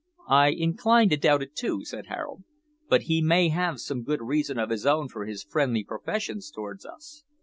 "I incline to doubt it too," said Harold; "but he may have some good reason of his own for his friendly professions towards us.